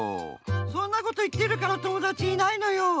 そんなこといってるから友だちいないのよ。